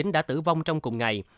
đã tử vong trong cùng ngày